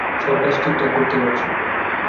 সব কাজ ঠিকঠাক করতে পারছো।